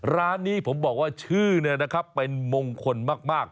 ร้านนี้ผมบอกว่าชื่อเป็นมงคลมาก